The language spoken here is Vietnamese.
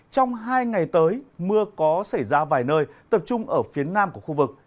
trong hai ngày tới mưa có xảy ra vài nơi tập trung ở phía nam của khu vực